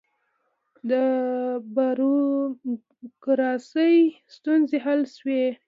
د بروکراسۍ ستونزې حل شوې؟